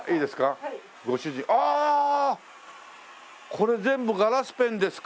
これ全部ガラスペンですか？